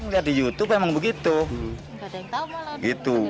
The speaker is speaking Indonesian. lihat di youtube emang begitu